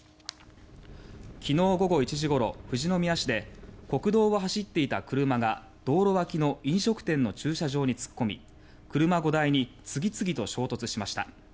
昨日午後１時ごろ富士宮市で国道を走っていた車が道路脇の飲食店の駐車場に突っ込み車５台に次々と衝突しました。